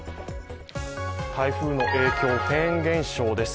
台風の影響、フェーン現象です。